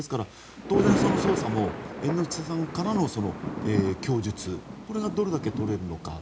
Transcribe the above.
当然、捜査も猿之助さんからの供述がどれだけとれるのか。